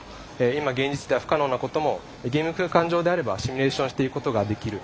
今現実では不可能なこともゲーム空間上であればシミュレーションしていくことができる。